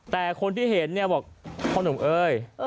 แต่คนที่เห็นเนี่ยบอกพ่อหนุ่มเอ้ย